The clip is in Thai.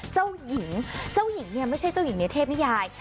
เจ้าหญิงเจ้าหญิงเนี่ยไม่ใช่เจ้าหญิงในเทพนิยาย